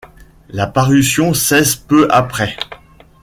La parution cesse peu après.